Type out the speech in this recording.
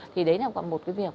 thì đấy là một cái việc